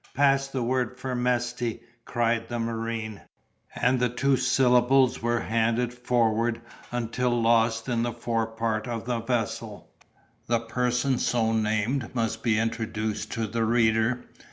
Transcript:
"Pass the word for Mesty," cried the marine—and the two syllables were handed forward until lost in the forepart of the vessel. The person so named must be introduced to the reader.